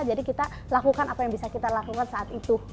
jadi kita lakukan apa yang bisa kita lakukan saat itu